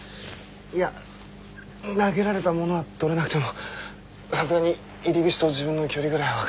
いや投げられたものは取れなくてもさすがに入り口と自分の距離ぐらいは分かります。